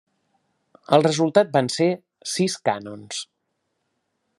El resultat van ser sis cànons.